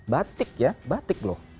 batik ya batik loh